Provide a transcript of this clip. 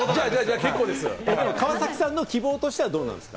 川崎さんの希望としてはどうですか？